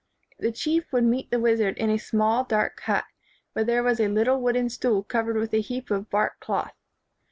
The chief would meet the wizard in a small, dark hut, where there was a little wooden stool covered with a heap of bark cloth.